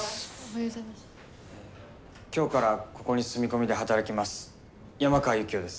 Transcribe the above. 今日からここに住み込みで働きます山川ユキオです。